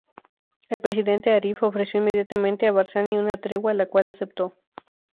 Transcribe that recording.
El presidente Arif ofreció inmediatamente a Barzani una tregua, la cual acepto.